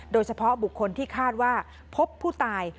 โดยเฉพาะบุคคลที่คาดว่าพบผู้ตาย